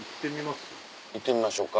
行ってみましょうか。